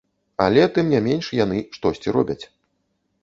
Але, тым не менш, яны штосьці робяць.